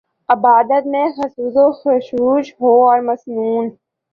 عبادت میں خضوع وخشوع ہواور مسنون